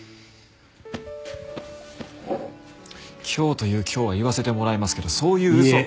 今日という今日は言わせてもらいますけどそういう嘘は。